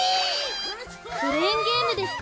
クレーンゲームですか？